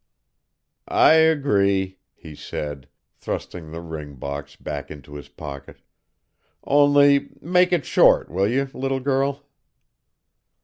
"I agree," he said, thrusting the ring box back into his pocket, "only make it short, will you, little girl?"